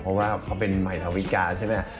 เพราะว่าเขาเป็นใหม่ทาวิกาใช่ไหม